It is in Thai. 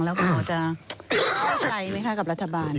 แล้วคุณหมอจะเข้าใจไหมคะกับรัฐบาล